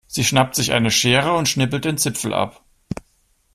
Sie schnappt sich eine Schere und schnippelt den Zipfel ab.